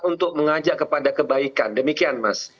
untuk mengajak kepada kebaikan demikian mas